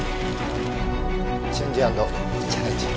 チェンジアンドチャレンジ！